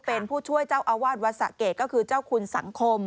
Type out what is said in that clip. เป็นผู้ช่วยเจ้าอาวาสวัดสะเกดก็คือเจ้าคุณสังคม